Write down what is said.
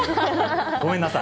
ごめんなさい。